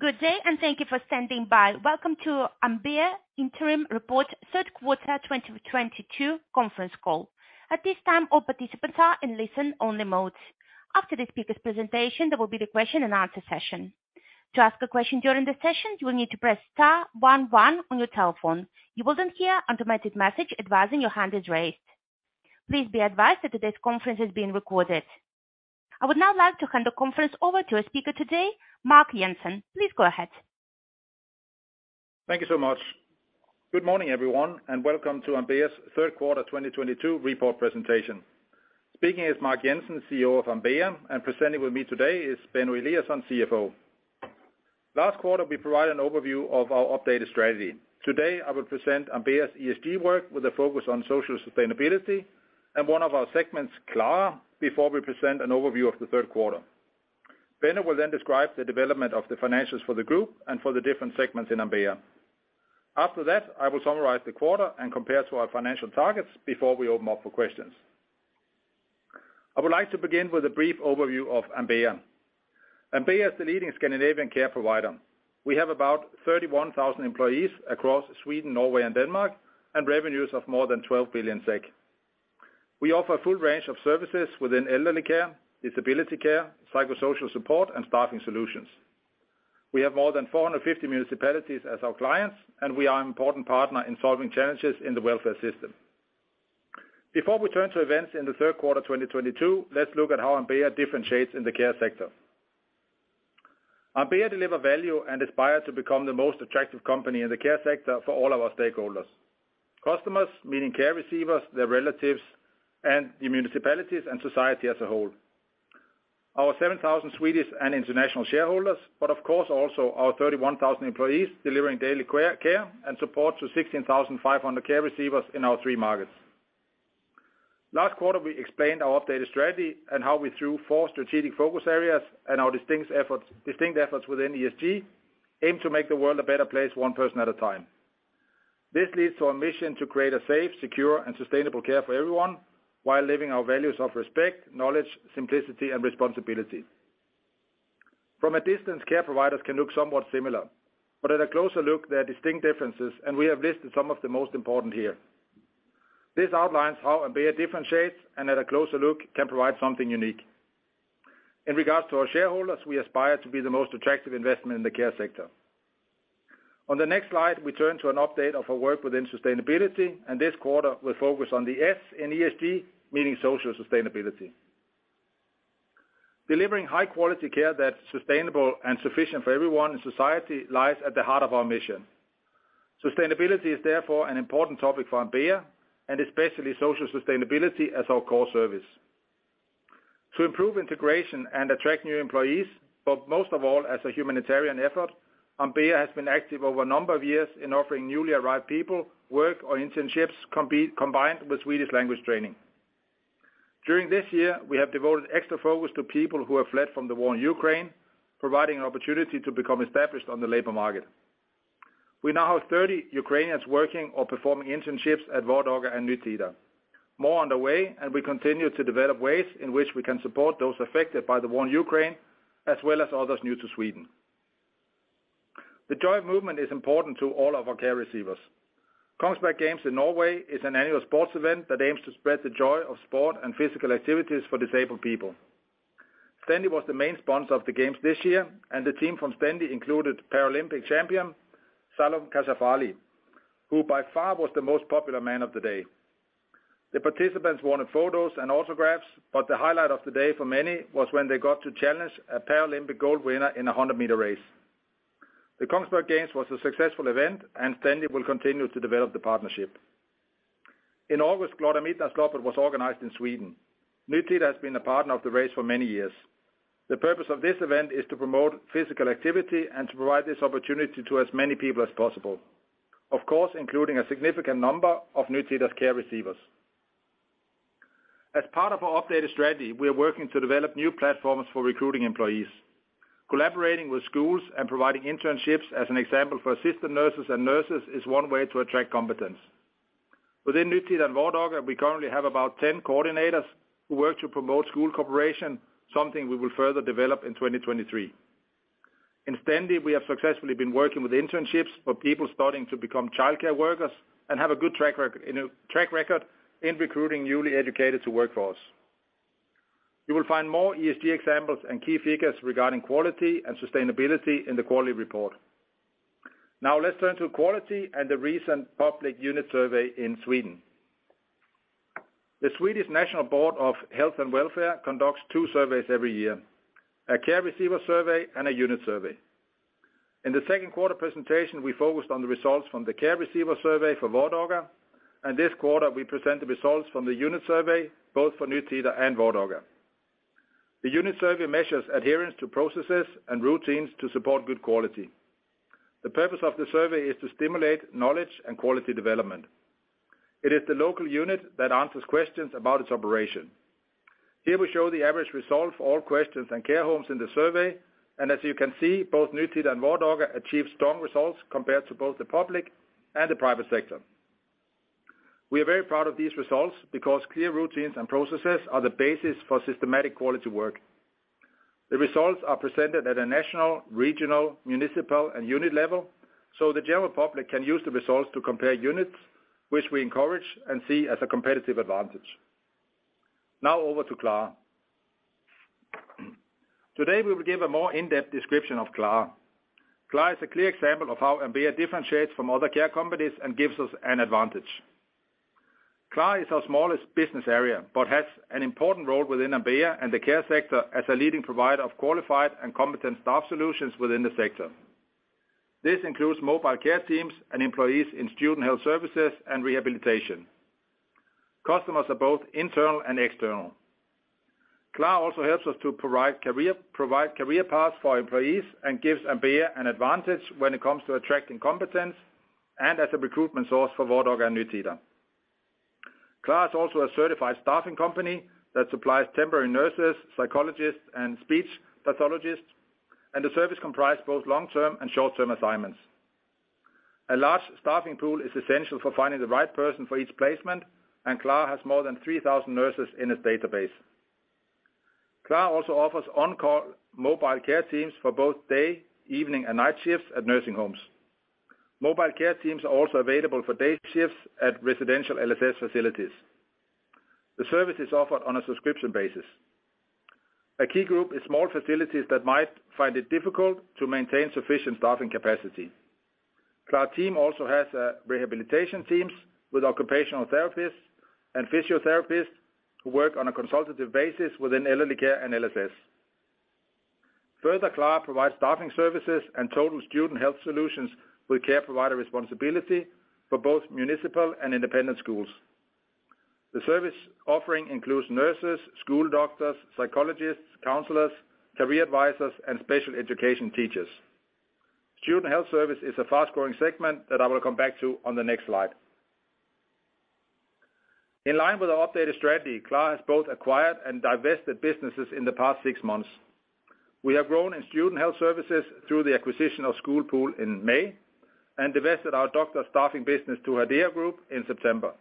Good day, thank you for standing by. Welcome to Ambea Interim Report third quarter 2022 conference call. At this time, all participants are in listen-only mode. After the speaker presentation, there will be the question and answer session. To ask a question during the session, you will need to press star one one on your telephone. You will then hear automated message advising your hand is raised. Please be advised that today's conference is being recorded. I would now like to hand the conference over to our speaker today, Mark Jensen. Please go ahead. Thank you so much. Good morning, everyone, and welcome to Ambea's third quarter 2022 report presentation. Speaking is Mark Jensen, CEO of Ambea, and presenting with me today is Benno Eliasson, CFO. Last quarter, we provide an overview of our updated strategy. Today, I will present Ambea's ESG work with a focus on social sustainability and one of our segments, Klara, before we present an overview of the third quarter. Benno will then describe the development of the financials for the group and for the different segments in Ambea. After that, I will summarize the quarter and compare to our financial targets before we open up for questions. I would like to begin with a brief overview of Ambea. Ambea is the leading Scandinavian care provider. We have about 31,000 employees across Sweden, Norway, and Denmark, and revenues of more than 12 billion SEK. We offer a full range of services within elderly care, disability care, psychosocial support, and staffing solutions. We have more than 450 municipalities as our clients, and we are an important partner in solving challenges in the welfare system. Before we turn to events in the third quarter 2022, let's look at how Ambea differentiates in the care sector. Ambea deliver value and inspire to become the most attractive company in the care sector for all of our stakeholders. Customers, meaning care receivers, their relatives, and the municipalities and society as a whole. Our 7,000 Swedish and international shareholders, but of course, also our 31,000 employees delivering daily care and support to 16,500 care receivers in our three markets. Last quarter, we explained our updated strategy and how we through four strategic focus areas and our distinct efforts within ESG aim to make the world a better place one person at a time. This leads to our mission to create a safe, secure, and sustainable care for everyone while living our values of respect, knowledge, simplicity, and responsibility. From a distance, care providers can look somewhat similar, but at a closer look, there are distinct differences, and we have listed some of the most important here. This outlines how Ambea differentiates and at a closer look, can provide something unique. In regards to our shareholders, we aspire to be the most attractive investment in the care sector. On the next slide, we turn to an update of our work within sustainability, and this quarter will focus on the S in ESG, meaning social sustainability. Delivering high-quality care that's sustainable and sufficient for everyone in society lies at the heart of our mission. Sustainability is therefore an important topic for Ambea, and especially social sustainability as our core service. To improve integration and attract new employees, but most of all as a humanitarian effort, Ambea has been active over a number of years in offering newly arrived people work or internships combined with Swedish language training. During this year, we have devoted extra focus to people who have fled from the war in Ukraine, providing an opportunity to become established on the labor market. We now have 30 Ukrainians working or performing internships at Vardaga and Nytida. More on the way, and we continue to develop ways in which we can support those affected by the war in Ukraine, as well as others new to Sweden. The joint movement is important to all of our care receivers. Kongsberg Games in Norway is an annual sports event that aims to spread the joy of sport and physical activities for disabled people. Stendi was the main sponsor of the games this year, and the team from Stendi included Paralympic champion, Salum Kashafali, who by far was the most popular man of the day. The participants wanted photos and autographs, but the highlight of the day for many was when they got to challenge a Paralympic gold winner in a 100-meter race. The Kongsberg Games was a successful event, and Stendi will continue to develop the partnership. In August, Gloppen was organized in Sweden. Nytida has been a partner of the race for many years. The purpose of this event is to promote physical activity and to provide this opportunity to as many people as possible. Of course, including a significant number of Nytida's care receivers. As part of our updated strategy, we are working to develop new platforms for recruiting employees. Collaborating with schools and providing internships as an example for assistant nurses and nurses is one way to attract competence. Within Nytida Vardaga, we currently have about 10 coordinators who work to promote school cooperation, something we will further develop in 2023. In Stendi, we have successfully been working with internships for people starting to become childcare workers and have a good track record in recruiting newly educated to workforce. You will find more ESG examples and key figures regarding quality and sustainability in the quality report. Now, let's turn to quality and the recent public unit survey in Sweden. The Swedish National Board of Health and Welfare conducts two surveys every year, a care receiver survey and a unit survey. In the second quarter presentation, we focused on the results from the care receiver survey for Vardaga, and this quarter we present the results from the unit survey, both for Nytida and Vardaga. The unit survey measures adherence to processes and routines to support good quality. The purpose of the survey is to stimulate knowledge and quality development. It is the local unit that answers questions about its operation. Here we show the average result for all questions and care homes in the survey. As you can see, both Nytida and Vardaga achieve strong results compared to both the public and the private sector. We are very proud of these results because clear routines and processes are the basis for systematic quality work. The results are presented at a national, regional, municipal, and unit level, so the general public can use the results to compare units, which we encourage and see as a competitive advantage. Now over to Klara. Today, we will give a more in-depth description of Klara. Klara is a clear example of how Ambea differentiates from other care companies and gives us an advantage. Klara is our smallest business area, but has an important role within Ambea and the care sector as a leading provider of qualified and competent staff solutions within the sector. This includes mobile care teams and employees in student health services and rehabilitation. Customers are both internal and external. Klara also helps us to provide career paths for employees, and gives Ambea an advantage when it comes to attracting competence and as a recruitment source for Vardaga and Nytida. Klara is also a certified staffing company that supplies temporary nurses, psychologists, and speech pathologists, and the service comprise both long-term and short-term assignments. A large staffing pool is essential for finding the right person for each placement, and Klara has more than 3,000 nurses in its database. Klara also offers on-call mobile care teams for both day, evening, and night shifts at nursing homes. Mobile care teams are also available for day shifts at residential LSS facilities. The service is offered on a subscription basis. A key group is small facilities that might find it difficult to maintain sufficient staffing capacity. Klara team also has rehabilitation teams with occupational therapists and physiotherapists who work on a consultative basis within elderly care and LSS. Further, Klara provides staffing services and total student health solutions with care provider responsibility for both municipal and independent schools. The service offering includes nurses, school doctors, psychologists, counselors, career advisors, and special education teachers. Student health service is a fast-growing segment that I will come back to on the next slide. In line with our updated strategy, Klara has both acquired and divested businesses in the past six months. We have grown in student health services through the acquisition of SkolPool in May and divested our doctor staffing business to Adia Group in September.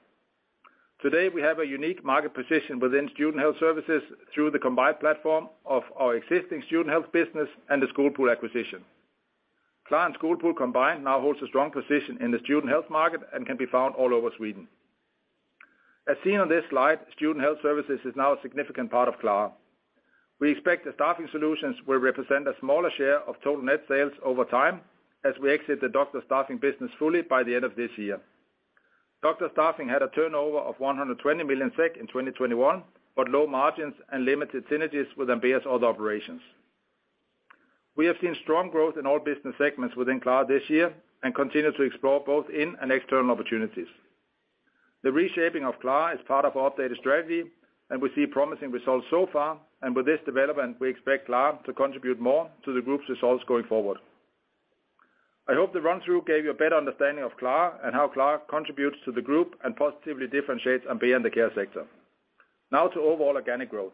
Today, we have a unique market position within student health services through the combined platform of our existing student health business and the SkolPool acquisition. Klara and SkolPool combined now holds a strong position in the student health market and can be found all over Sweden. As seen on this slide, student health services is now a significant part of Klara. We expect the staffing solutions will represent a smaller share of total net sales over time as we exit the doctor staffing business fully by the end of this year. Doctor staffing had a turnover of 120 million SEK in 2021, but low margins and limited synergies with Ambea's other operations. We have seen strong growth in all business segments within Klara this year and continue to explore both internal and external opportunities. The reshaping of Klara is part of our updated strategy, and we see promising results so far. With this development, we expect Klara to contribute more to the group's results going forward. I hope the run-through gave you a better understanding of Klara and how Klara contributes to the group and positively differentiates Ambea in the care sector. Now to overall organic growth.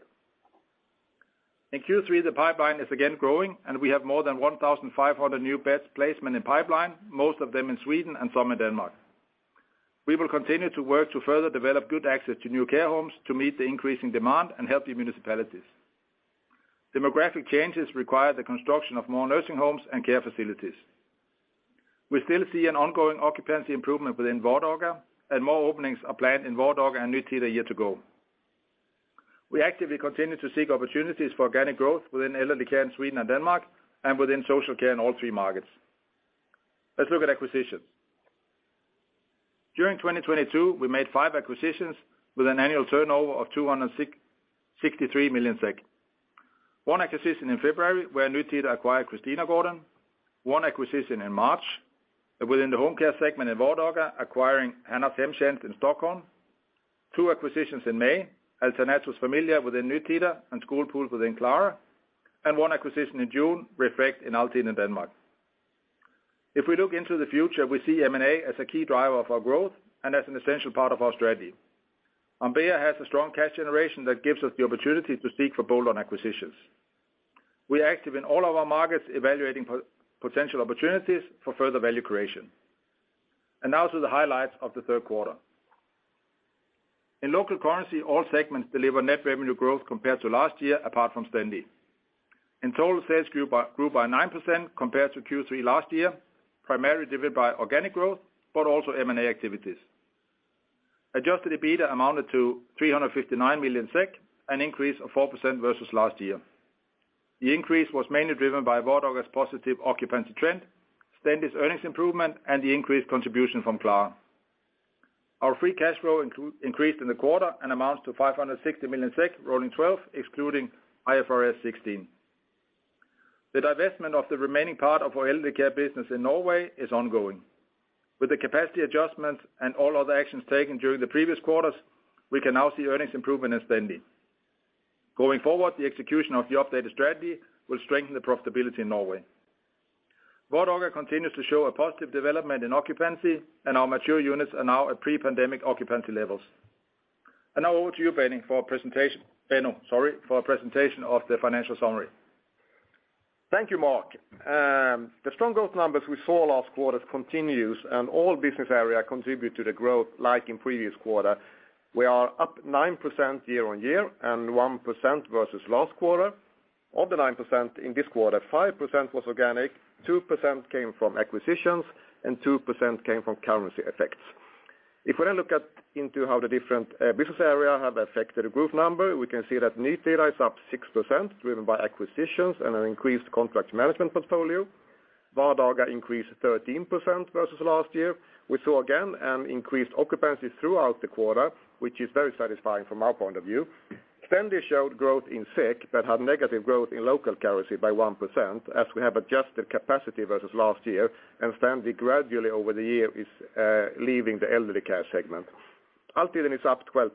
In Q3, the pipeline is again growing, and we have more than 1,500 new bed placements in pipeline, most of them in Sweden and some in Denmark. We will continue to work to further develop good access to new care homes to meet the increasing demand and wealthy municipalities. Demographic changes require the construction of more nursing homes and care facilities. We still see an ongoing occupancy improvement within Vardaga, and more openings are planned in Vardaga and Nytida year to go. We actively continue to seek opportunities for organic growth within elderly care in Sweden and Denmark and within social care in all three markets. Let's look at acquisitions. During 2022, we made five acquisitions with an annual turnover of 263 million SEK. One acquisition in February, where Nytida acquired Christinagården. One acquisition in March within the home care segment in Vardaga, acquiring Hanna Hemtjänst in Stockholm. Two acquisitions in May, Alternatus Familia within Nytida and SkolPool within Klara. One acquisition in June, Reflect in Altiden in Denmark. If we look into the future, we see M&A as a key driver of our growth and as an essential part of our strategy. Ambea has a strong cash generation that gives us the opportunity to seek for bolt-on acquisitions. We are active in all of our markets evaluating potential opportunities for further value creation. Now to the highlights of the third quarter. In local currency, all segments deliver net revenue growth compared to last year, apart from Stendi. In total, sales grew by 9% compared to Q3 last year, primarily driven by organic growth, but also M&A activities. Adjusted EBITDA amounted to 359 million SEK, an increase of 4% versus last year. The increase was mainly driven by Vardaga's positive occupancy trend, Stendi's earnings improvement, and the increased contribution from Klara. Our free cash flow increased in the quarter and amounts to 560 million SEK rolling 12, excluding IFRS 16. The divestment of the remaining part of our elderly care business in Norway is ongoing. With the capacity adjustments and all other actions taken during the previous quarters, we can now see earnings improvement in Stendi. Going forward, the execution of the updated strategy will strengthen the profitability in Norway. Vardaga continues to show a positive development in occupancy, and our mature units are now at pre-pandemic occupancy levels. Now over to you, Benno, sorry, for a presentation of the financial summary. Thank you, Mark. The strong growth numbers we saw last quarter continues, and all business area contribute to the growth like in previous quarter. We are up 9% year-over-year and 1% versus last quarter. Of the 9% in this quarter, 5% was organic, 2% came from acquisitions, and 2% came from currency effects. If we now look into how the different business area have affected the group number, we can see that Nytida is up 6% driven by acquisitions and an increased contract management portfolio. Vardaga increased 13% versus last year. We saw again an increased occupancy throughout the quarter, which is very satisfying from our point of view. Stendi showed growth in SEK but had negative growth in local currency by 1% as we have adjusted capacity versus last year, and Stendi gradually over the year is leaving the elderly care segment. Altiden is up 12%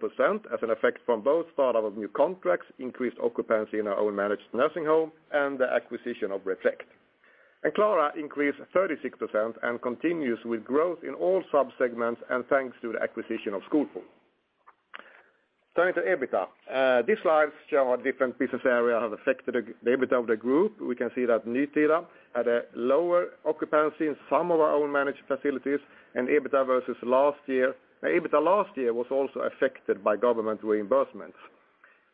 as an effect from both start of new contracts, increased occupancy in our own managed nursing home, and the acquisition of Reflect. Klara increased 36% and continues with growth in all sub-segments and thanks to the acquisition of SkolPool. Turning to EBITDA. These slides show how different business area have affected the EBITDA of the group. We can see that Nytida had a lower occupancy in some of our own managed facilities, and EBITDA versus last year. EBITDA last year was also affected by government reimbursements.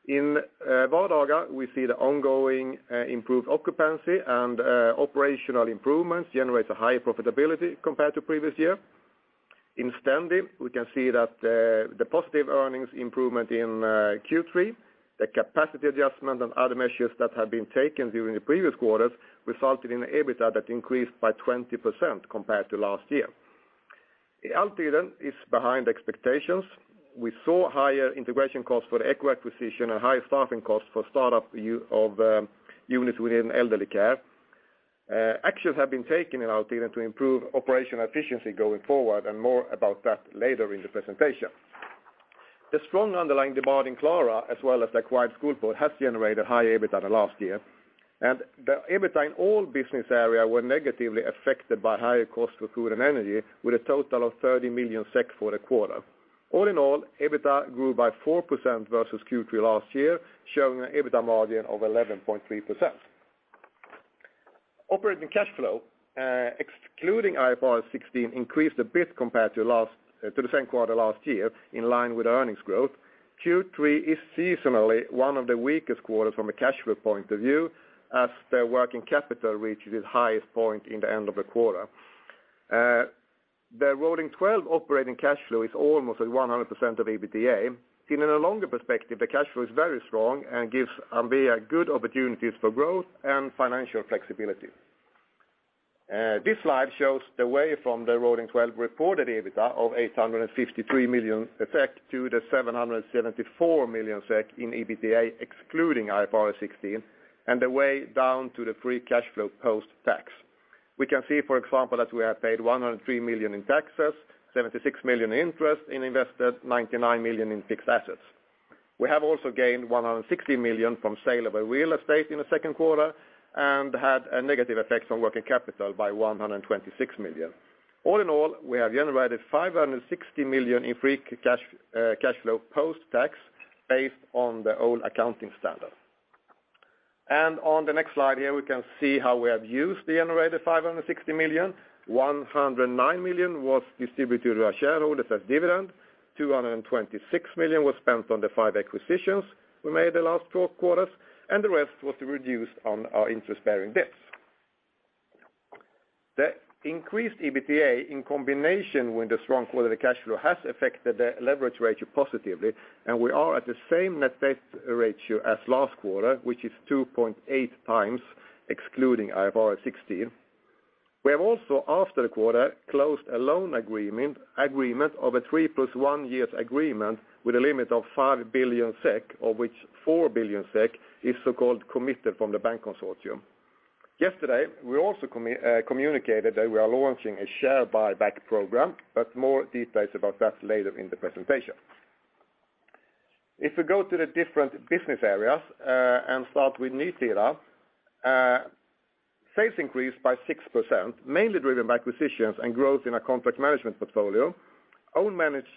In Vardaga, we see the ongoing improved occupancy and operational improvements generates a high profitability compared to previous year. In Stendi, we can see that the positive earnings improvement in Q3, the capacity adjustment, and other measures that have been taken during the previous quarters resulted in EBITDA that increased by 20% compared to last year. In Altiden is behind expectations. We saw higher integration costs for the Ekko acquisition and higher staffing costs for start-up of units within elderly care. Actions have been taken in Altiden to improve operational efficiency going forward, and more about that later in the presentation. The strong underlying demand in Klara, as well as acquired SkolPool, has generated higher EBITDA than last year. The EBITDA in all business areas were negatively affected by higher costs for food and energy with a total of 30 million SEK for the quarter. All in all, EBITDA grew by 4% versus Q3 last year, showing an EBITDA margin of 11.3%. Operating cash flow, excluding IFRS 16, increased a bit compared to the same quarter last year in line with earnings growth. Q3 is seasonally one of the weakest quarters from a cash flow point of view as the working capital reaches its highest point in the end of the quarter. The rolling 12 operating cash flow is almost at 100% of EBITDA. Seen in a longer perspective, the cash flow is very strong and gives Ambea good opportunities for growth and financial flexibility. This slide shows the way from the rolling 12 reported EBITDA of 853 million SEK to the 774 million SEK in EBITDA, excluding IFRS 16, and the way down to the free cash flow post-tax. We can see, for example, that we have paid 103 million in taxes, 76 million in interest and investments, 99 million in fixed assets. We have also gained 160 million from sale of our real estate in the second quarter and had a negative effect on working capital by 126 million. All in all, we have generated 560 million in free cash flow post-tax based on the old accounting standard. On the next slide here, we can see how we have used the generated 560 million. 109 million was distributed to our shareholders as dividend. 226 million was spent on the five acquisitions we made the last four quarters, and the rest was reduced on our interest-bearing debts. The increased EBITDA in combination with the strong quarterly cash flow has affected the leverage ratio positively, and we are at the same net debt ratio as last quarter, which is 2.8 times excluding IFRS 16. We have also, after the quarter, closed a loan agreement of a 3+1 years agreement with a limit of 5 billion SEK, of which 4 billion SEK is so-called committed from the bank consortium. Yesterday, we also communicated that we are launching a share buyback program, but more details about that later in the presentation. If we go to the different business areas and start with Nytida, sales increased by 6%, mainly driven by acquisitions and growth in our contract management portfolio. Own managed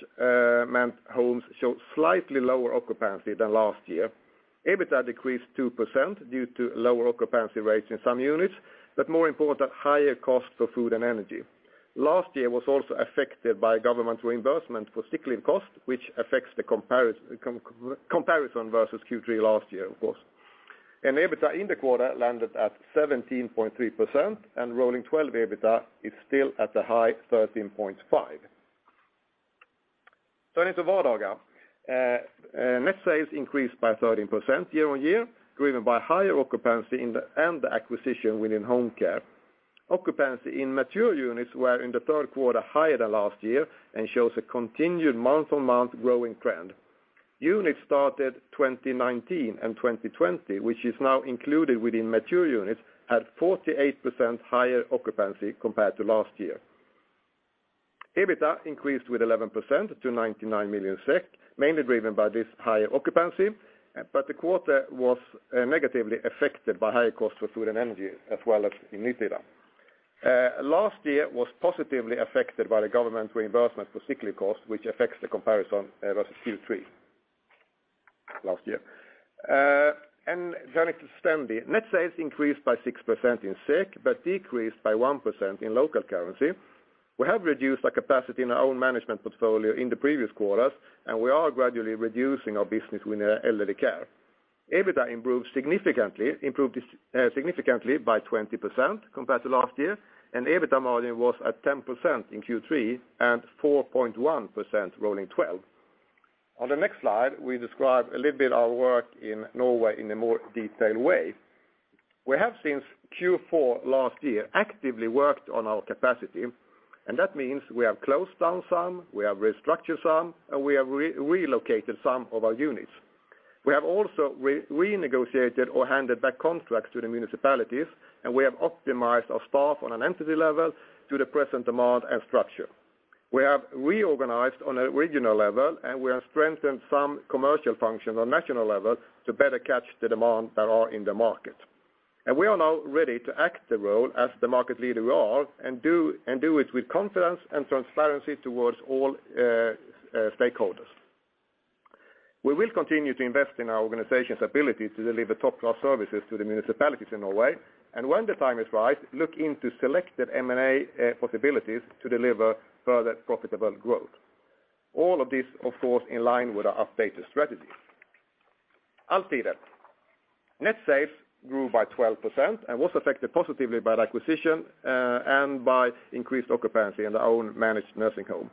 homes showed slightly lower occupancy than last year. EBITDA decreased 2% due to lower occupancy rates in some units, but more important, higher costs for food and energy. Last year was also affected by government reimbursement for sick leave costs, which affects the comparison versus Q3 last year, of course. EBITDA in the quarter landed at 17.3%, and rolling 12 EBITDA is still at the high 13.5%. Turning to Vardaga. Net sales increased by 13% year-on-year, driven by higher occupancy and the acquisition within home care. Occupancy in mature units were in the third quarter higher than last year and shows a continued month-on-month growing trend. Units started 2019 and 2020, which is now included within mature units, had 48% higher occupancy compared to last year. EBITDA increased with 11% to 99 million SEK, mainly driven by this higher occupancy, but the quarter was negatively affected by higher costs for food and energy as well as in Nytida. Last year was positively affected by the government reimbursement for sick leave costs, which affects the comparison versus Q3 last year. Then it's Stendi. Net sales increased by 6% in SEK, but decreased by 1% in local currency. We have reduced our capacity in our own management portfolio in the previous quarters, and we are gradually reducing our business with elderly care. EBITDA improved significantly by 20% compared to last year, and EBITDA margin was at 10% in Q3 and 4.1% rolling 12. On the next slide, we describe a little bit our work in Norway in a more detailed way. We have since Q4 last year actively worked on our capacity, and that means we have closed down some, we have restructured some, and we have relocated some of our units. We have also renegotiated or handed back contracts to the municipalities, and we have optimized our staff on an entity level to the present demand and structure. We have reorganized on a regional level, and we have strengthened some commercial functions on national level to better catch the demand that are in the market. We are now ready to act the role as the market leader we are and do it with confidence and transparency towards all stakeholders. We will continue to invest in our organization's ability to deliver top-class services to the municipalities in Norway, and when the time is right, look into selected M&A possibilities to deliver further profitable growth. All of this, of course, in line with our updated strategy. Altiden. Net sales grew by 12% and was affected positively by the acquisition and by increased occupancy in our own managed nursing home.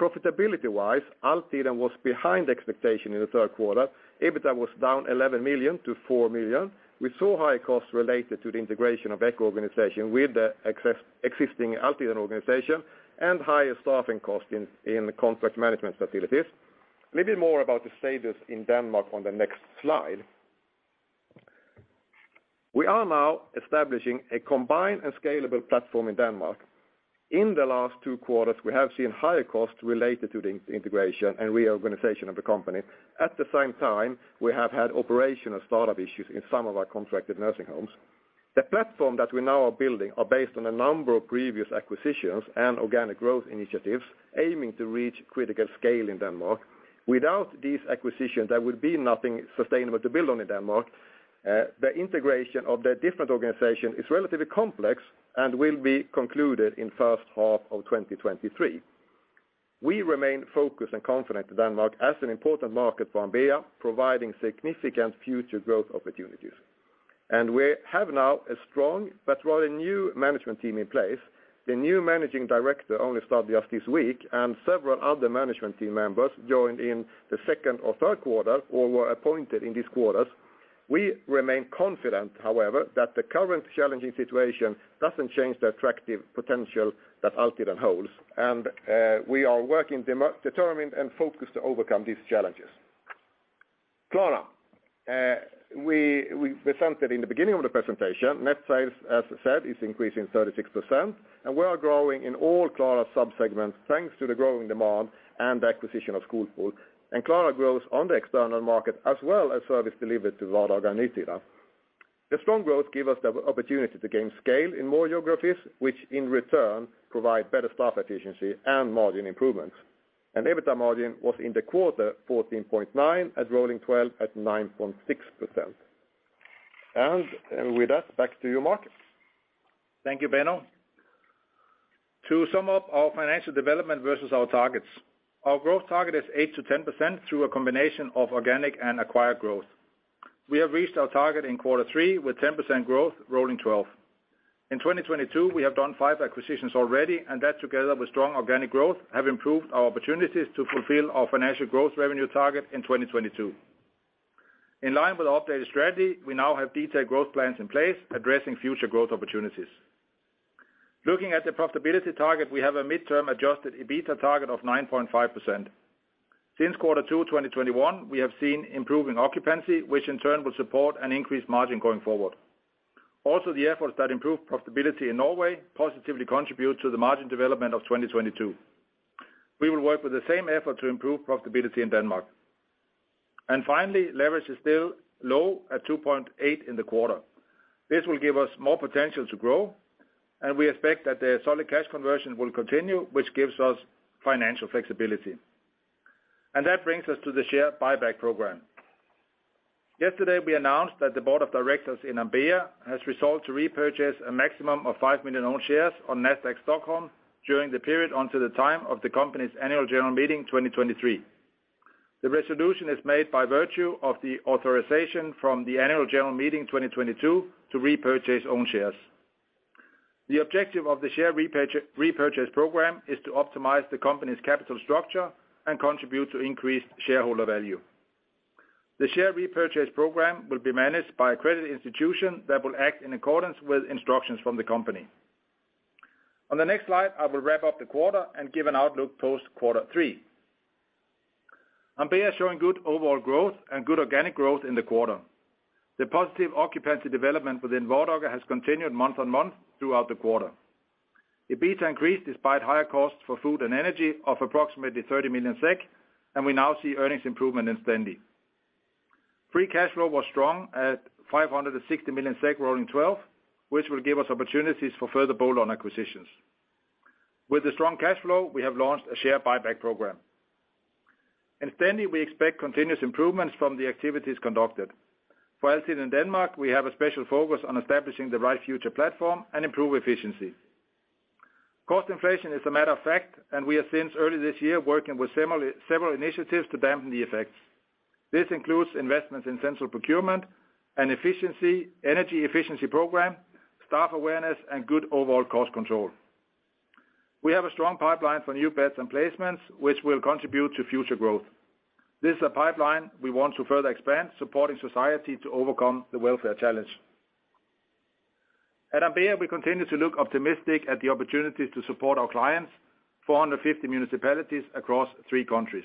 Profitability-wise, Altiden was behind expectation in the third quarter. EBITDA was down 11 million to 4 million. We saw high costs related to the integration of Ecco organization with the existing Altiden organization and higher staffing costs in the contract management facilities. Maybe more about the status in Denmark on the next slide. We are now establishing a combined and scalable platform in Denmark. In the last two quarters, we have seen higher costs related to the integration and reorganization of the company. At the same time, we have had operational startup issues in some of our contracted nursing homes. The platform that we now are building are based on a number of previous acquisitions and organic growth initiatives aiming to reach critical scale in Denmark. Without these acquisitions, there would be nothing sustainable to build on in Denmark. The integration of the different organization is relatively complex and will be concluded in first half of 2023. We remain focused and confident Denmark as an important market for Ambea, providing significant future growth opportunities. We have now a strong but rather new management team in place. The new managing director only started just this week, and several other management team members joined in the second or third quarter or were appointed in these quarters. We remain confident, however, that the current challenging situation doesn't change the attractive potential that Altiden holds. We are working determined and focused to overcome these challenges. Klara. We presented in the beginning of the presentation, net sales, as I said, is increasing 36%, and we are growing in all Klara subsegments thanks to the growing demand and the acquisition of SkolPool. Klara grows on the external market as well as service delivered to Vardaga and Nytida. The strong growth give us the opportunity to gain scale in more geographies, which in return provide better staff efficiency and margin improvements. EBITDA margin was in the quarter 14.9% at rolling 12 at 9.6%. With that, back to you, Mark. Thank you, Benno. To sum up our financial development versus our targets, our growth target is 8%-10% through a combination of organic and acquired growth. We have reached our target in quarter three with 10% growth rolling 12. In 2022, we have done five acquisitions already, and that together with strong organic growth have improved our opportunities to fulfill our financial growth revenue target in 2022. In line with our updated strategy, we now have detailed growth plans in place addressing future growth opportunities. Looking at the profitability target, we have a midterm adjusted EBITDA target of 9.5%. Since quarter two 2021, we have seen improving occupancy, which in turn will support an increased margin going forward. Also, the efforts that improve profitability in Norway positively contribute to the margin development of 2022. We will work with the same effort to improve profitability in Denmark. Finally, leverage is still low at 2.8 in the quarter. This will give us more potential to grow, and we expect that the solid cash conversion will continue, which gives us financial flexibility. That brings us to the share buyback program. Yesterday, we announced that the board of directors in Ambea has resolved to repurchase a maximum of 5 million own shares on Nasdaq Stockholm during the period until the time of the company's annual general meeting 2023. The resolution is made by virtue of the authorization from the annual general meeting 2022 to repurchase own shares. The objective of the share repurchase program is to optimize the company's capital structure and contribute to increased shareholder value. The share repurchase program will be managed by a credit institution that will act in accordance with instructions from the company. On the next slide, I will wrap up the quarter and give an outlook post quarter three. Ambea is showing good overall growth and good organic growth in the quarter. The positive occupancy development within Vardaga has continued month-on-month throughout the quarter. EBITDA increased despite higher costs for food and energy of approximately 30 million SEK, and we now see earnings improvement in Stendi. Free cash flow was strong at 560 million SEK rolling 12, which will give us opportunities for further bolt-on acquisitions. With the strong cash flow, we have launched a share buyback program. In Stendi we expect continuous improvements from the activities conducted. For Altiden in Denmark, we have a special focus on establishing the right future platform and improve efficiency. Cost inflation is a matter of fact, and we are since early this year, working with several initiatives to dampen the effects. This includes investments in central procurement and efficiency, energy efficiency program, staff awareness, and good overall cost control. We have a strong pipeline for new beds and placements, which will contribute to future growth. This is a pipeline we want to further expand, supporting society to overcome the welfare challenge. At Ambea, we continue to look optimistic at the opportunity to support our clients, 450 municipalities across three countries.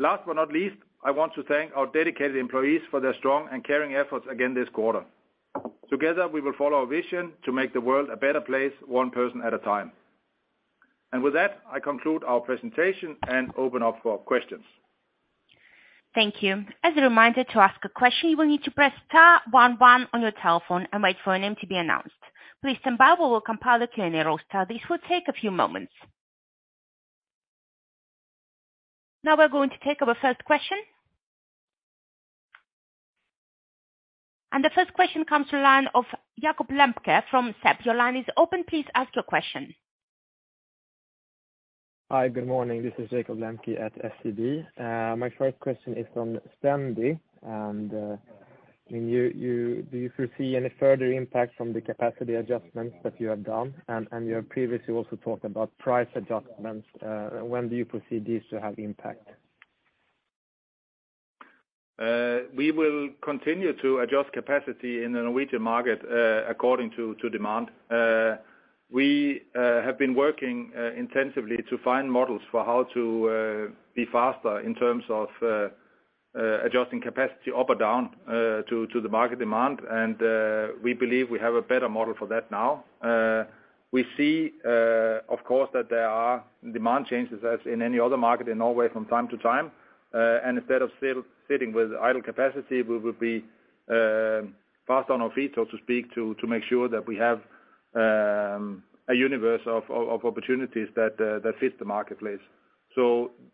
Last but not least, I want to thank our dedicated employees for their strong and caring efforts again this quarter. Together, we will follow our vision to make the world a better place one person at a time. With that, I conclude our presentation and open up for questions. Thank you. As a reminder to ask a question, you will need to press star one one on your telephone and wait for a name to be announced. Please stand by, we will compile the Q&A roster. This will take a few moments. Now we're going to take our first question. The first question comes from the line of Jakob Lembke from SEB. Your line is open. Please ask your question. Hi, good morning. This is Jakob Lembke at SEB. My first question is from Stendi. I mean, do you foresee any further impact from the capacity adjustments that you have done and you have previously also talked about price adjustments? When do you foresee these to have impact? We will continue to adjust capacity in the Norwegian market according to demand. We have been working intensively to find models for how to be faster in terms of adjusting capacity up or down to the market demand. We believe we have a better model for that now. We see of course that there are demand changes as in any other market in Norway from time to time. Instead of still sitting with idle capacity, we will be fast on our feet, so to speak, to make sure that we have a universe of opportunities that fit the marketplace.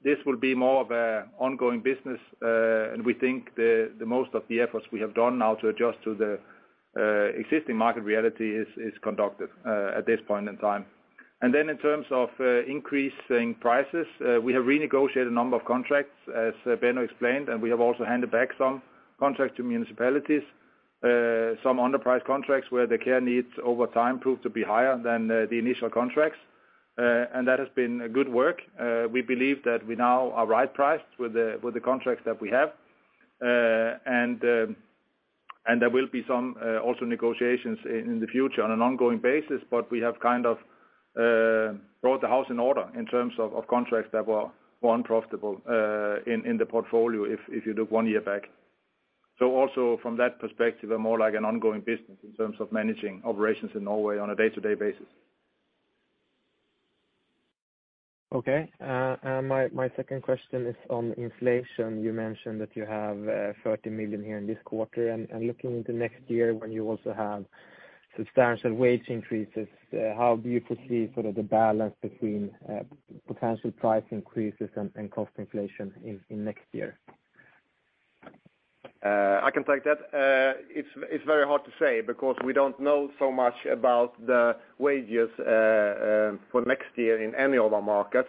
This will be more of an ongoing business, and we think the most of the efforts we have done now to adjust to the existing market reality is conducted at this point in time. In terms of increasing prices, we have renegotiated a number of contracts, as Benno explained, and we have also handed back some contracts to municipalities, some underpriced contracts where the care needs over time proved to be higher than the initial contracts. That has been a good work. We believe that we now are right priced with the contracts that we have. There will be some also negotiations in the future on an ongoing basis, but we have kind of brought the house in order in terms of contracts that were unprofitable in the portfolio if you look one year back. Also from that perspective, a more like an ongoing business in terms of managing operations in Norway on a day-to-day basis. Okay. My second question is on inflation. You mentioned that you have 30 million here in this quarter. Looking into next year when you also have substantial wage increases, how do you foresee sort of the balance between potential price increases and cost inflation in next year? I can take that. It's very hard to say because we don't know so much about the wages for next year in any of our markets.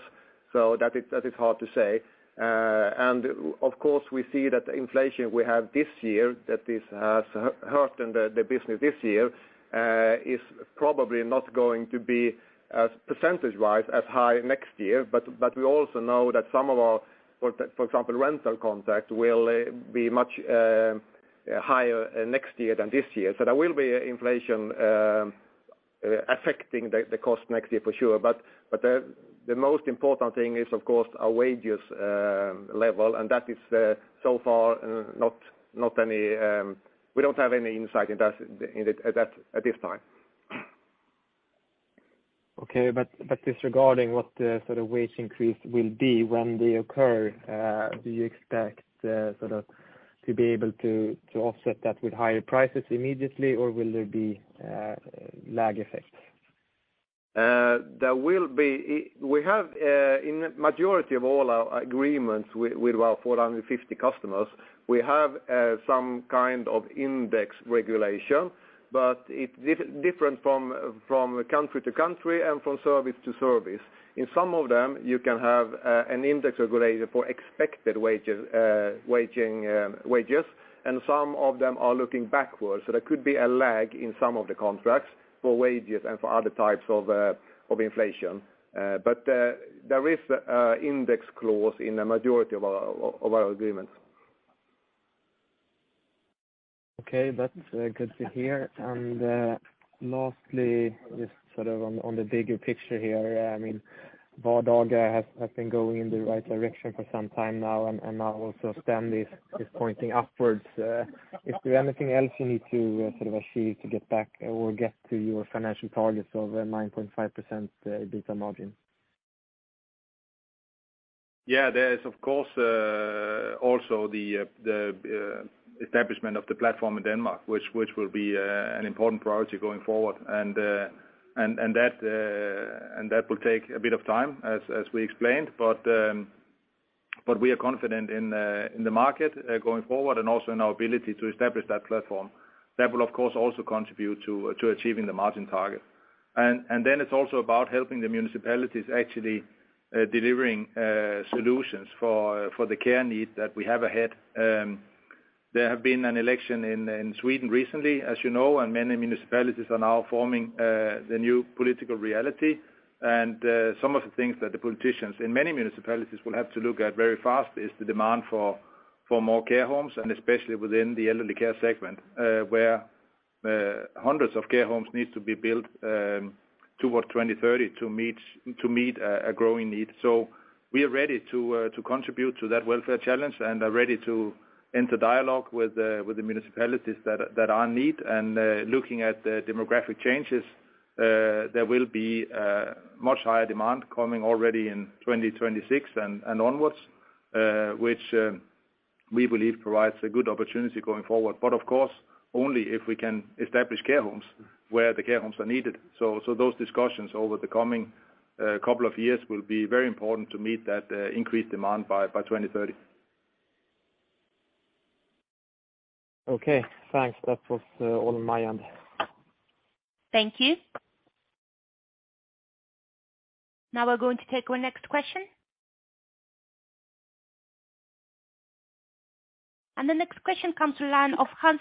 That is hard to say. Of course, we see that the inflation we have this year that this has hurt the business this year is probably not going to be as percentage-wise as high next year. We also know that some of our, for example, rental contracts will be much higher next year than this year. There will be inflation affecting the cost next year for sure. The most important thing is of course our wages level, and that is so far not any. We don't have any insight into that at this time. Disregarding what the sort of wage increase will be when they occur, do you expect sort of to be able to offset that with higher prices immediately, or will there be lag effects? We have in majority of all our agreements with our 450 customers, we have some kind of index regulation, but it different from country to country and from service to service. In some of them, you can have an index regulation for expected wages, and some of them are looking backwards. There could be a lag in some of the contracts for wages and for other types of inflation. There is index clause in the majority of our agreements. Okay. That's good to hear. Lastly, just sort of on the bigger picture here, I mean, Vardaga has been going in the right direction for some time now, and now also Stendi is pointing upwards. Is there anything else you need to sort of achieve to get back or get to your financial targets of 9.5% EBITDA margin? Yeah, there is of course also the establishment of the platform in Denmark, which will be an important priority going forward. That will take a bit of time as we explained. We are confident in the market going forward and also in our ability to establish that platform. That will of course also contribute to achieving the margin target. Then it's also about helping the municipalities actually delivering solutions for the care need that we have ahead. There have been an election in Sweden recently, as you know, and many municipalities are now forming the new political reality. Some of the things that the politicians in many municipalities will have to look at very fast is the demand for more care homes, and especially within the elderly care segment, where hundreds of care homes need to be built toward 2030 to meet a growing need. We are ready to contribute to that welfare challenge and are ready to enter dialogue with the municipalities that are in need. Looking at the demographic changes, there will be much higher demand coming already in 2026 and onwards, which we believe provides a good opportunity going forward. Of course, only if we can establish care homes where the care homes are needed. Those discussions over the coming couple of years will be very important to meet that increased demand by 2030. Okay, thanks. That was all on my end. Thank you. Now we're going to take our next question. The next question comes from the line of Hans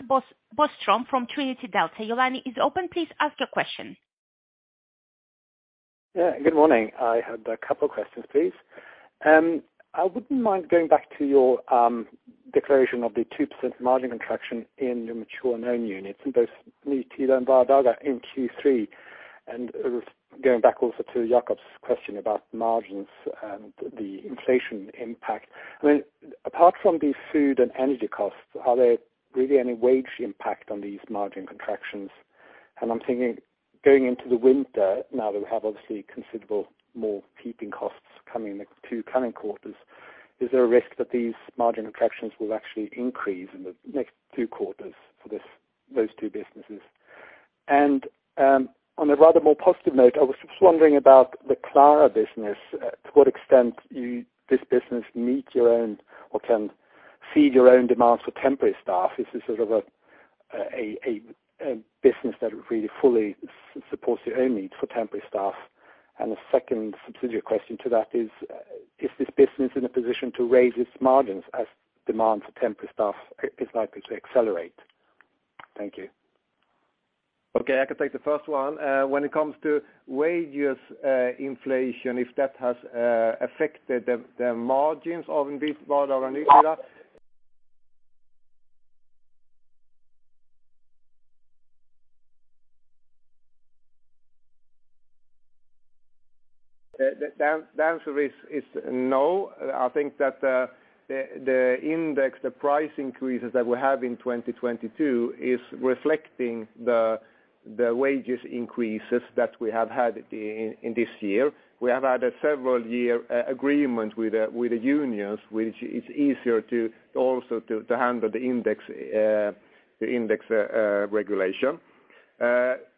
Boström from Trinity Delta. Your line is open, please ask your question. Yeah. Good morning. I had a couple of questions, please. I wouldn't mind going back to your declaration of the 2% margin contraction in the mature known units in both Nytida and Vardaga in Q3. Going back also to Jacob's question about margins and the inflation impact. I mean, apart from the food and energy costs, are there really any wage impact on these margin contractions? I'm thinking going into the winter, now that we have obviously considerable more heating costs coming in the two coming quarters, is there a risk that these margin contractions will actually increase in the next two quarters for this, those two businesses? On a rather more positive note, I was just wondering about the Klara business. To what extent you, this business meet your own or can feed your own demands for temporary staff? Is this sort of a business that really fully supports your own needs for temporary staff? The second subsidiary question to that is this business in a position to raise its margins as demand for temporary staff is likely to accelerate? Thank you. Okay, I can take the first one. When it comes to wages inflation, if that has affected the margins of Vardaga and Nytida. The answer is no. I think that the index, the price increases that we have in 2022 is reflecting the wages increases that we have had in this year. We have had a several year agreement with the unions, which is easier to also handle the index regulation.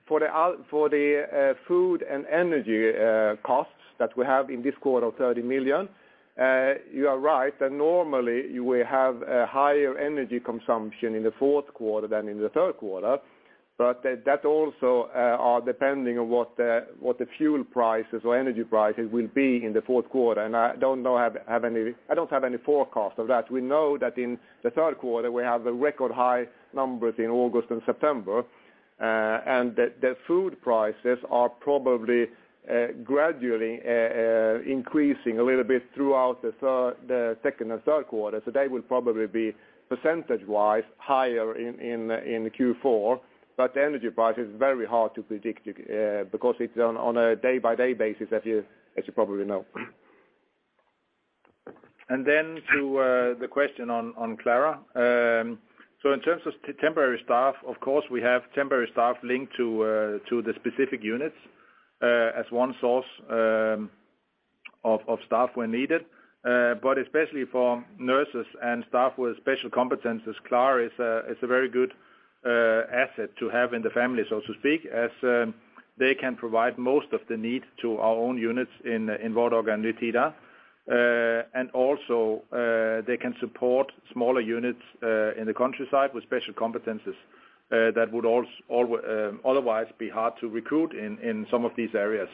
For the food and energy costs that we have in this quarter of 30 million, you are right that normally you will have a higher energy consumption in the fourth quarter than in the third quarter. That also are depending on what the fuel prices or energy prices will be in the fourth quarter. I don't have any forecast of that. We know that in the third quarter, we have record high numbers in August and September, and the food prices are probably gradually increasing a little bit throughout the second and third quarter. They will probably be percentage-wise higher in Q4, but the energy price is very hard to predict, because it's on a day by day basis, as you probably know. To the question on Klara. In terms of temporary staff, of course, we have temporary staff linked to the specific units as one source of staff when needed. Especially for nurses and staff with special competencies, Klara is a very good asset to have in the family, so to speak, as they can provide most of the need to our own units in Vardaga and Nytida. They can support smaller units in the countryside with special competencies that would otherwise be hard to recruit in some of these areas.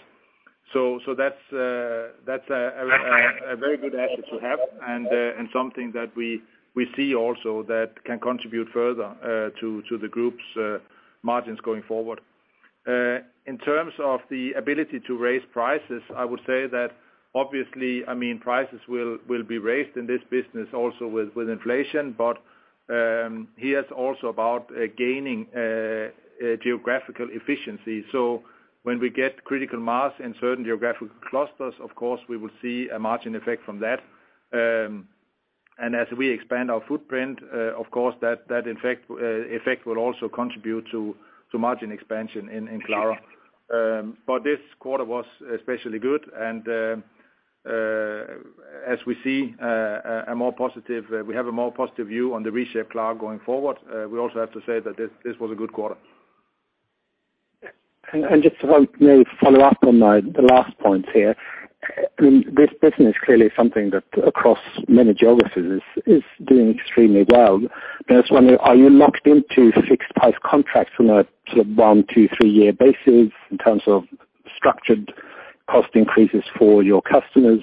That's a very good asset to have and something that we see also that can contribute further to the group's margins going forward. In terms of the ability to raise prices, I would say that obviously, I mean, prices will be raised in this business also with inflation. Here it's also about gaining geographical efficiency. When we get critical mass in certain geographical clusters, of course, we will see a margin effect from that. As we expand our footprint, of course that effect will also contribute to margin expansion in Klara. This quarter was especially good and we have a more positive view on the reshaped Klara going forward. We also have to say that this was a good quarter. Just to maybe follow up on my, the last point here. I mean, this business clearly is something that across many geographies is doing extremely well. I was just wondering, are you locked into fixed price contracts from a sort of 1, 2, 3-year basis in terms of structured cost increases for your customers?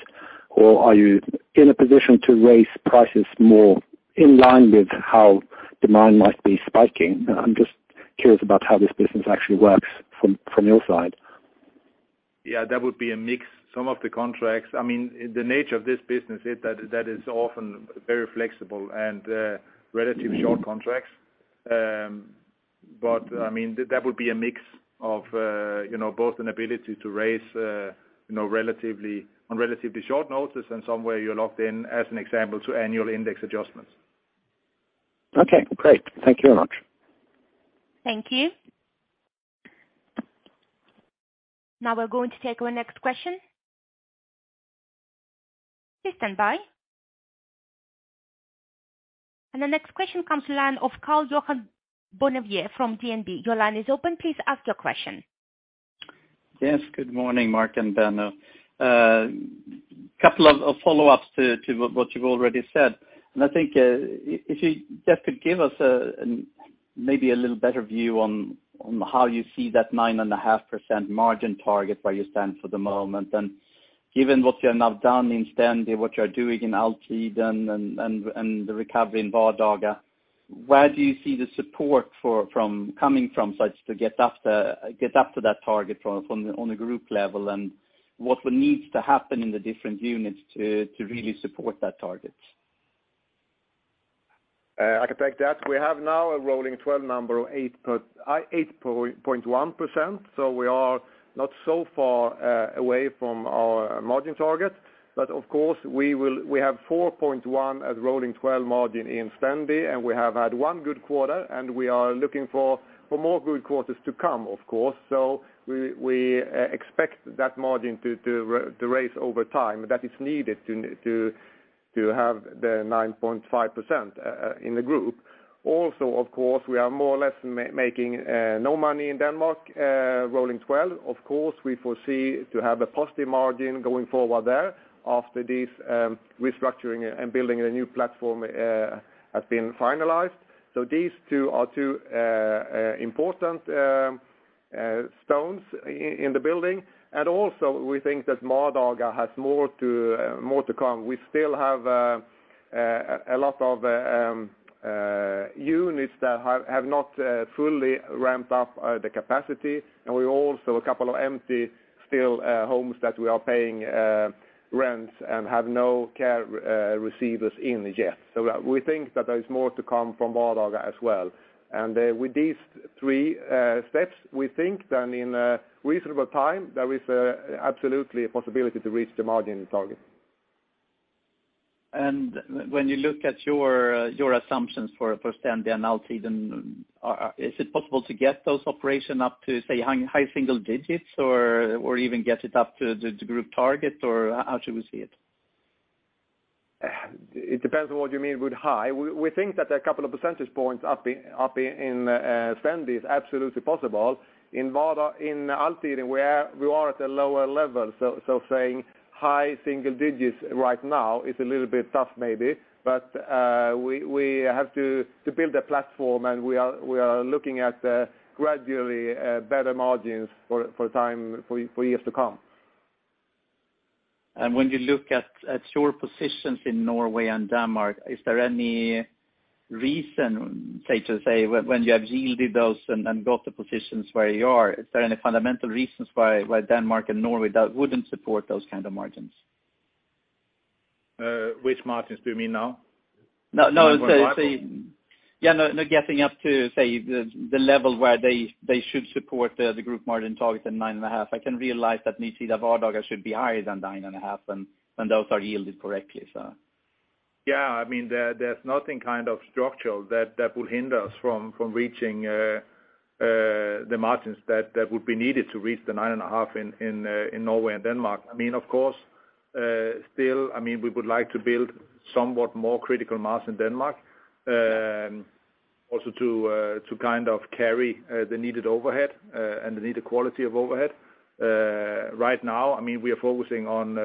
Or are you in a position to raise prices more in line with how demand might be spiking? I'm just curious about how this business actually works from your side. Yeah, that would be a mix. Some of the contracts, I mean, the nature of this business is that that is often very flexible and relatively short contracts. I mean, that would be a mix of, you know, both an ability to raise, you know, relatively on relatively short notice and somewhere you're locked in, as an example, to annual index adjustments. Okay, great. Thank you very much. Thank you. Now, we're going to take our next question. Please stand by. The next question comes to line of Karl-Johan Bonnevier from DNB. Your line is open. Please ask your question. Yes. Good morning, Mark and Benno. Couple of follow-ups to what you've already said. I think if you just could give us maybe a little better view on how you see that 9.5% margin target where you stand for the moment. Given what you have now done in Stendi, what you're doing in Altiden and the recovery in Vardaga, where do you see the support coming from to get up to that target on a group level? What needs to happen in the different units to really support that target? I can take that. We have now a rolling 12 number of 8.1%, so we are not so far away from our margin target. Of course, we have 4.1 as rolling 12 margin in Stendi, and we have had one good quarter, and we are looking for more good quarters to come, of course. We expect that margin to rise over time, that is needed to have the 9.5% in the group. Also, of course, we are more or less making no money in Denmark, rolling 12. Of course, we foresee to have a positive margin going forward there after this restructuring and building a new platform has been finalized. These two are important stones in the building. Also, we think that Vardaga has more to come. We still have a lot of units that have not fully ramped up the capacity. We also have a couple of still empty homes that we are paying rents and have no care receivers in just yet. We think that there is more to come from Vardaga as well. With these three steps, we think that in a reasonable time, there is absolutely a possibility to reach the margin target. When you look at your assumptions for Stendi and Altiden, is it possible to get those operations up to, say, high single digits or even get it up to the group target, or how should we see it? It depends on what you mean with high. We think that a couple of percentage points up in Stendi is absolutely possible. In Altiden, we are at a lower level, so saying high single digits right now is a little bit tough maybe. We have to build a platform, and we are looking at gradually better margins over time, for years to come. When you look at your positions in Norway and Denmark, is there any reason, say, when you have yielded those and got the positions where you are, is there any fundamental reasons why Denmark and Norway that wouldn't support those kind of margins? Which margins do you mean now? No. Yeah, no, getting up to, say, the level where they should support the group margin targets at 9.5%. I can realize that Nytida Vardaga should be higher than 9.5%, and those are yielded correctly, so. Yeah. I mean, there's nothing kind of structural that would hinder us from reaching the margins that would be needed to reach the 9.5% in Norway and Denmark. I mean, of course, still, we would like to build somewhat more critical mass in Denmark, also to kind of carry the needed overhead and the needed quality of overhead. Right now, I mean, we are focusing on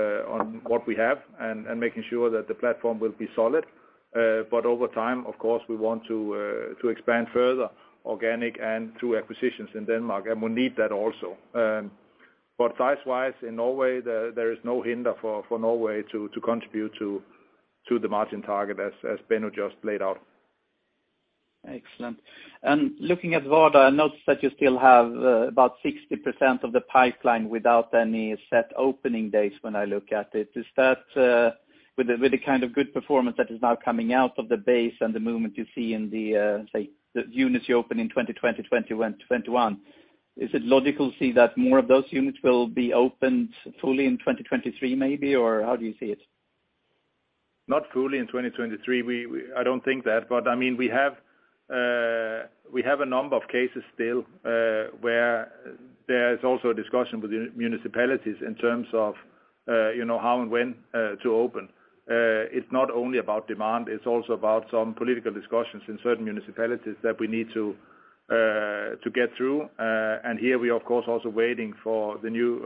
what we have and making sure that the platform will be solid. But over time, of course, we want to expand further organically and through acquisitions in Denmark, and we need that also. Size-wise, in Norway, there is no hindrance for Norway to contribute to the margin target as Benno just laid out. Excellent. Looking at Vardaga, I notice that you still have about 60% of the pipeline without any set opening dates when I look at it. Is that with the kind of good performance that is now coming out of the base and the movement you see in the units you open in 2020, 2021? Is it logical to see that more of those units will be opened fully in 2023 maybe, or how do you see it? Not fully in 2023. I don't think that, but I mean, we have a number of cases still where there is also a discussion with the municipalities in terms of you know, how and when to open. It's not only about demand, it's also about some political discussions in certain municipalities that we need to get through. Here we of course also waiting for the new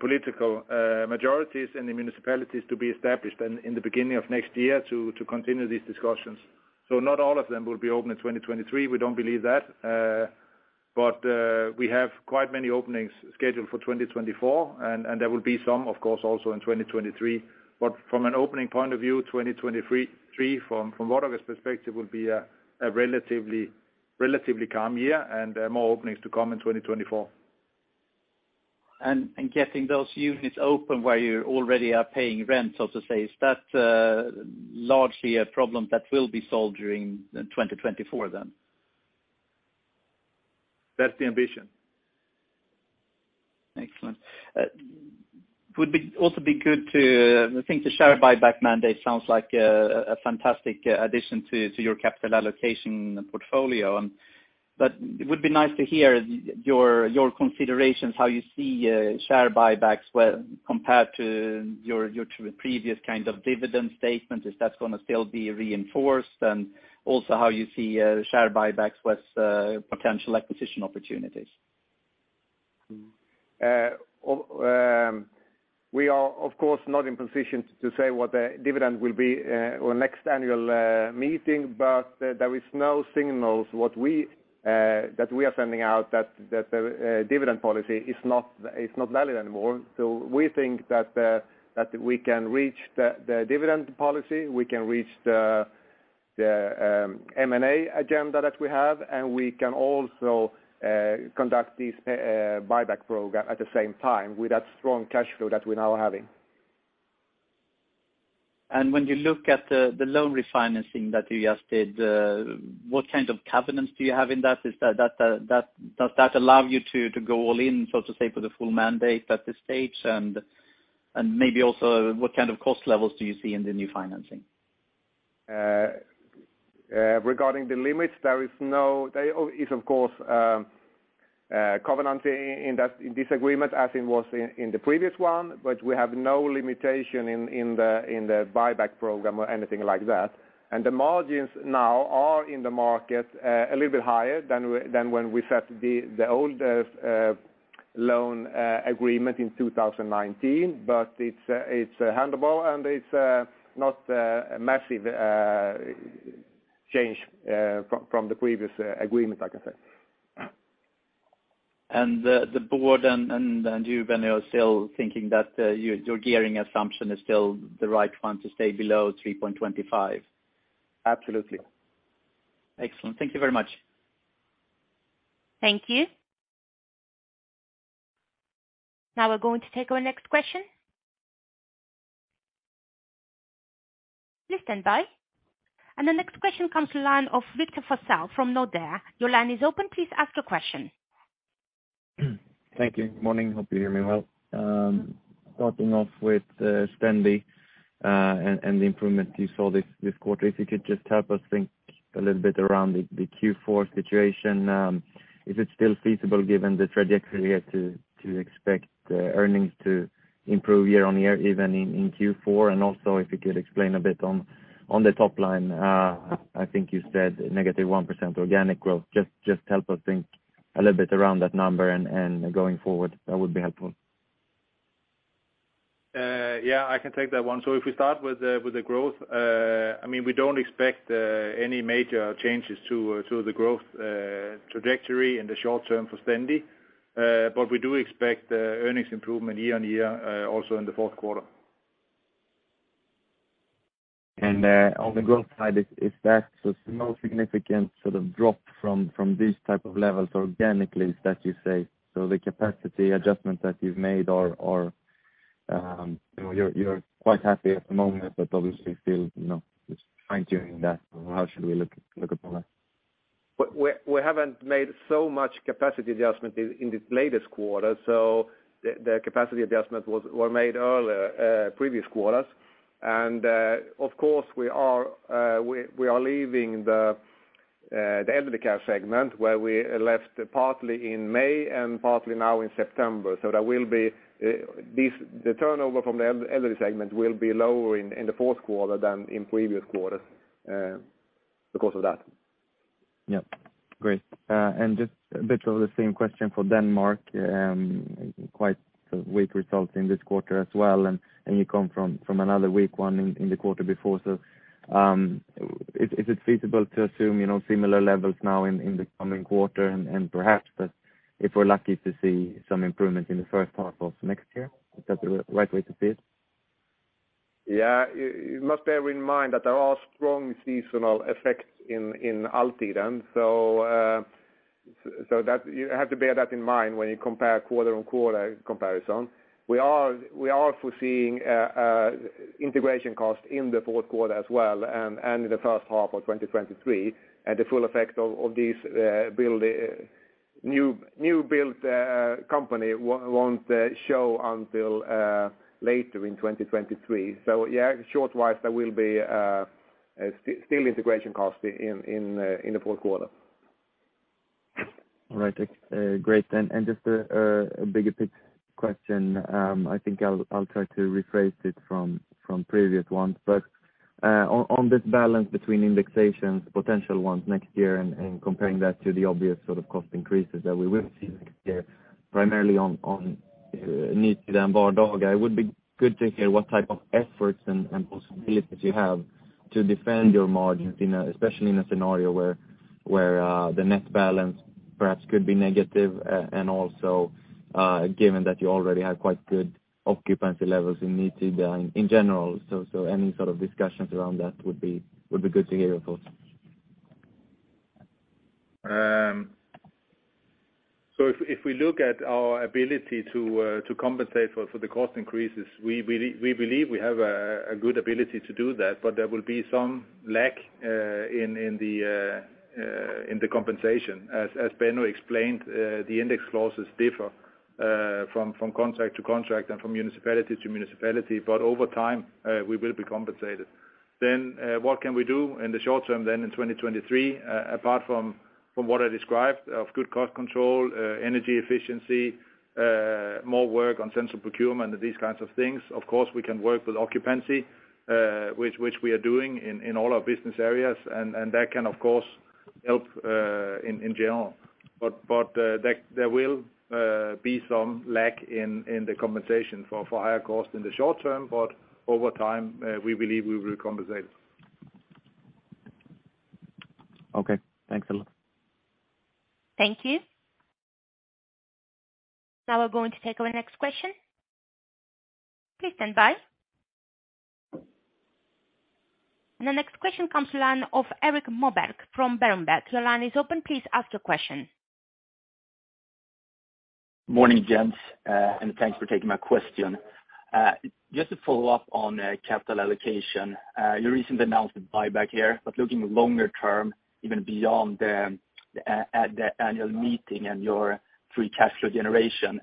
political majorities in the municipalities to be established in the beginning of next year to continue these discussions. Not all of them will be open in 2023, we don't believe that. We have quite many openings scheduled for 2024, and there will be some of course also in 2023. From an opening point of view, 2023, from Vardaga's perspective will be a relatively calm year, and more openings to come in 2024. Getting those units open where you already are paying rent, so to say, is that largely a problem that will be solved during 2024 then? That's the ambition. Excellent. I think the share buyback mandate sounds like a fantastic addition to your capital allocation portfolio. It would be nice to hear your considerations, how you see share buybacks where compared to your previous kind of dividend statement, if that's gonna still be reinforced, and also how you see share buybacks with potential acquisition opportunities. We are of course not in position to say what the dividend will be on next annual meeting, but there is no signals that we are sending out that dividend policy is not valid anymore. We think that we can reach the dividend policy, we can reach the M&A agenda that we have, and we can also conduct this buyback program at the same time with that strong cash flow that we're now having. When you look at the loan refinancing that you just did, what kind of covenants do you have in that? Is that does that allow you to go all in, so to say, for the full mandate at this stage? Maybe also what kind of cost levels do you see in the new financing? Regarding the limits, there is of course covenant in that in this agreement as it was in the previous one, but we have no limitation in the buyback program or anything like that. The margins now are in the market a little bit higher than when we set the old loan agreement in 2019. It's handleable and it's not a massive change from the previous agreement, I can say. The board and you, Benno, are still thinking that your gearing assumption is still the right one to stay below 3.25? Absolutely. Excellent. Thank you very much. Thank you. Now we're going to take our next question. Please stand by. The next question comes to line of Victor Forssell from Nordea. Your line is open. Please ask your question. Thank you. Morning. Hope you hear me well. Starting off with Stendi and the improvement you saw this quarter. If you could just help us think a little bit around the Q4 situation. Is it still feasible given the trajectory here to expect earnings to improve year-on-year even in Q4? Also if you could explain a bit on the top line, I think you said negative 1% organic growth. Just help us think a little bit around that number and going forward, that would be helpful. Yeah, I can take that one. If we start with the growth, I mean, we don't expect any major changes to the growth trajectory in the short term for Stendi. But we do expect earnings improvement year-over-year, also in the fourth quarter. On the growth side, is that the most significant sort of drop from these type of levels organically that you say? The capacity adjustment that you've made or, you know, you're quite happy at the moment, but obviously still, you know, just fine-tuning that, how should we look at all that? We haven't made so much capacity adjustment in the latest quarter. The capacity adjustment were made earlier previous quarters. Of course, we are leaving the elderly care segment, where we left partly in May and partly now in September. There will be the turnover from the elderly segment will be lower in the fourth quarter than in previous quarters because of that. Just a bit of the same question for Denmark. Quite weak results in this quarter as well, and you come from another weak one in the quarter before. Is it feasible to assume, you know, similar levels now in the coming quarter and perhaps that if we're lucky to see some improvement in the first half of next year? Is that the right way to see it? Yeah. You must bear in mind that there are strong seasonal effects in Altiden. You have to bear that in mind when you compare quarter-on-quarter comparison. We are also seeing integration costs in the fourth quarter as well and in the first half of 2023. The full effect of this new build company won't show until later in 2023. Yeah, short-term wise there will be still integration costs in the fourth quarter. All right. Great. Just a bigger picture question. I think I'll try to rephrase it from previous ones. On this balance between indexations, potential ones next year, and comparing that to the obvious sort of cost increases that we will see next year, primarily on Nytida and Vardaga, it would be good to hear what type of efforts and possibilities you have to defend your margins, especially in a scenario where the net balance perhaps could be negative, and also given that you already have quite good occupancy levels in Nytida in general. Any sort of discussions around that would be good to hear your thoughts. If we look at our ability to compensate for the cost increases, we believe we have a good ability to do that, but there will be some lack in the compensation. As Benno explained, the index clauses differ from contract to contract and from municipality to municipality. Over time, we will be compensated. What can we do in the short term in 2023, apart from what I described of good cost control, energy efficiency, more work on central procurement and these kinds of things? Of course, we can work with occupancy, which we are doing in all our business areas, and that can of course help in general. There will be some lack in the compensation for higher costs in the short term, but over time we believe we will compensate. Okay. Thanks a lot. Thank you. Now we're going to take our next question. Please stand by. The next question comes to line of Erik Moberg from Berenberg. Your line is open. Please ask your question. Morning, gents, and thanks for taking my question. Just to follow up on capital allocation, your recently announced buyback here, but looking longer term, even beyond that at the annual meeting and your free cash flow generation,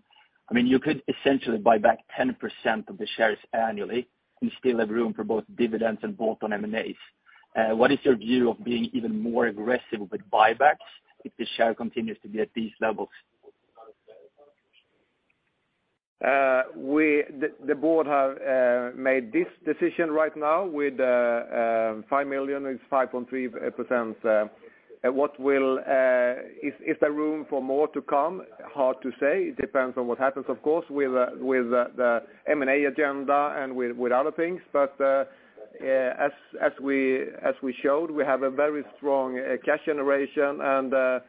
I mean, you could essentially buy back 10% of the shares annually and still have room for both dividends and bolt-on M&As. What is your view of being even more aggressive with buybacks if the share continues to be at these levels? The board have made this decision right now with 5 million; it's 5.3%. Is there room for more to come? Hard to say. It depends on what happens, of course, with the M&A agenda and with other things. As we showed, we have a very strong cash generation and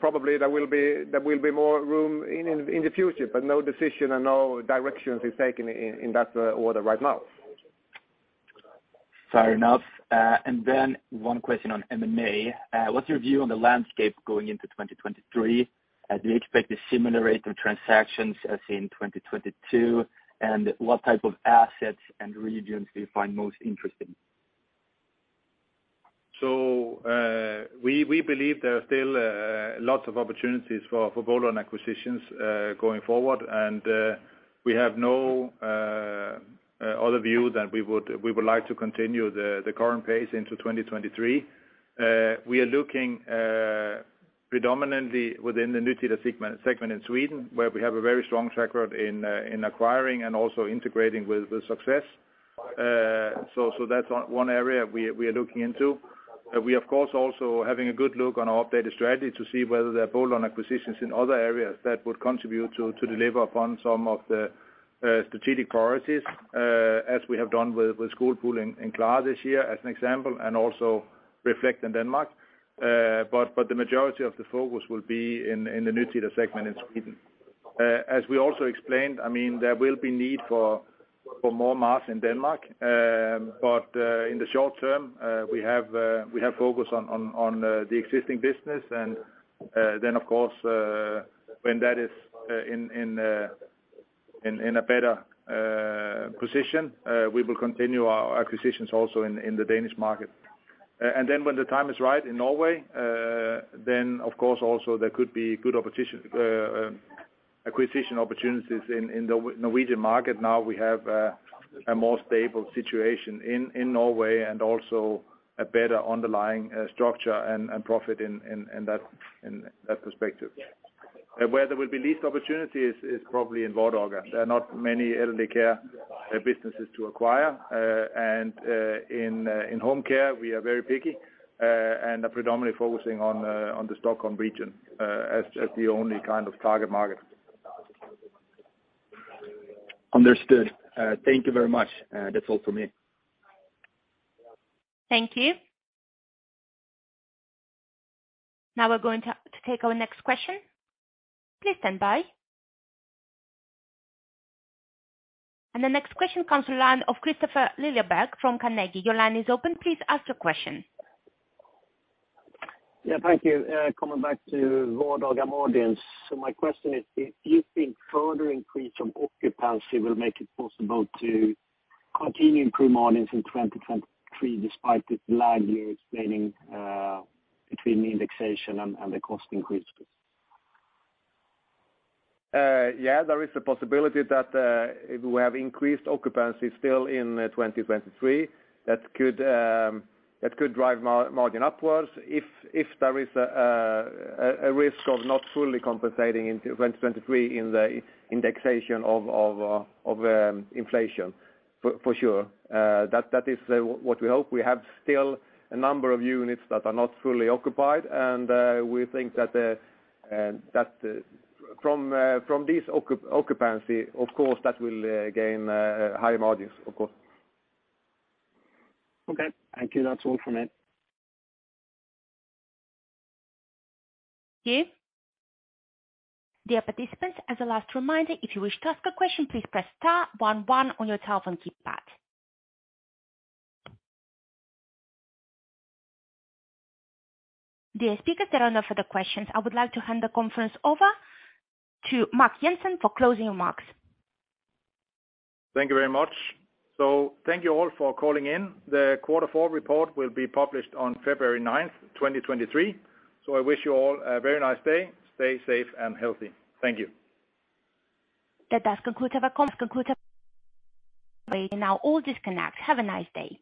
probably there will be more room in the future, but no decision and no directions is taken in that order right now. Fair enough. One question on M&A. What's your view on the landscape going into 2023? Do you expect a similar rate of transactions as in 2022? What type of assets and regions do you find most interesting? We believe there are still lots of opportunities for bolt-on acquisitions going forward. We have no other view than we would like to continue the current pace into 2023. We are looking predominantly within the Nytida segment in Sweden, where we have a very strong track record in acquiring and also integrating with success. That's one area we are looking into. We, of course, also having a good look on our updated strategy to see whether there are bolt-on acquisitions in other areas that would contribute to deliver upon some of the strategic priorities, as we have done with SkolPool and Klara this year as an example, and also Reflect in Denmark. The majority of the focus will be in the Nytida segment in Sweden. As we also explained, I mean, there will be need for more M&A in Denmark. In the short term, we have focus on the existing business. Then of course, when that is in a better position, we will continue our acquisitions also in the Danish market. Then when the time is right in Norway, then of course also there could be good acquisition opportunities in the Norwegian market. Now we have a more stable situation in Norway and also a better underlying structure and profit in that perspective. Where there will be least opportunities is probably in Vardaga. There are not many elderly care businesses to acquire. In home care, we are very picky and are predominantly focusing on the Stockholm region as the only kind of target market. Understood. Thank you very much. That's all for me. Thank you. Now we're going to take our next question. Please stand by. The next question comes from the line of Kristofer Liljeberg from Carnegie. Your line is open. Please ask your question. Thank you. Coming back to Vardaga margins. My question is, do you think further increase on occupancy will make it possible to continue improved margins in 2023 despite this lag you're explaining, between the indexation and the cost increases? Yeah, there is a possibility that if we have increased occupancy still in 2023, that could drive margin upwards if there is a risk of not fully compensating into 2023 in the indexation of inflation, for sure. That is what we hope. We have still a number of units that are not fully occupied, and we think that from this occupancy, of course, that will gain higher margins, of course. Okay. Thank you. That's all from me. Thank you. Dear participants, as a last reminder, if you wish to ask a question, please press star one one on your telephone keypad. Dear speakers, there are no further questions. I would like to hand the conference over to Mark Jensen for closing remarks. Thank you very much. Thank you all for calling in. The quarter four report will be published on February ninth, 2023. I wish you all a very nice day. Stay safe and healthy. Thank you. That concludes the conference call. You may now all disconnect. Have a nice day.